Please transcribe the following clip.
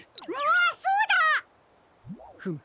うわそうだ！フム。